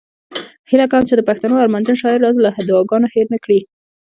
هیله کوم چې د پښتنو ارمانجن شاعر راز له دعاګانو هیر نه کړي